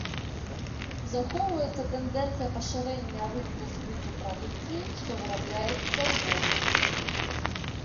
Захоўваецца тэндэнцыя пашырэння рынку збыту прадукцыі, што вырабляецца ў вобласці.